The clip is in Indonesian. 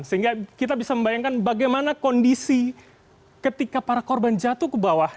sehingga kita bisa membayangkan bagaimana kondisi ketika para korban jatuh ke bawah